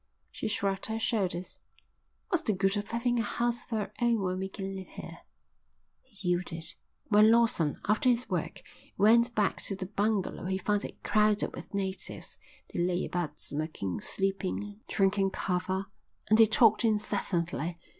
She shrugged her shoulders. "What's the good of having a house of our own when we can live here." He yielded. When Lawson, after his work, went back to the bungalow he found it crowded with natives. They lay about smoking, sleeping, drinking kava; and they talked incessantly.